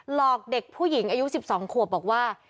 หลอกเด็กผู้หญิงอายุ๑๒ขวบบอกว่า